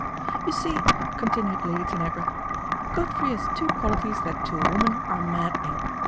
" You see," continued Lady Tanagra, " Godfrey has two qualities that to a woman are maddening.